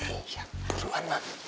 iya buruan ma